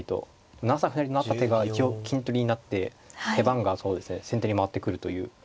７三歩成なった手が一応金取りになって手番が先手に回ってくるという。